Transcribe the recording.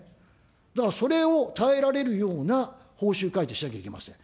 だからそれを耐えられるような報酬改定しなきゃいけません。